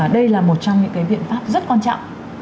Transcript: đây là một trong những biện pháp rất quan trọng